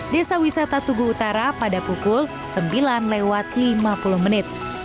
desa wisata tugu utara pada pukul sembilan lewat lima puluh menit